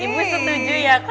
ibu setuju ya